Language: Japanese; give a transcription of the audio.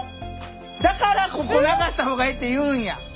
だからここ流した方がええって言うんや。